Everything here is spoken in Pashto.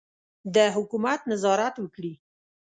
د حکومت نظارت وکړي.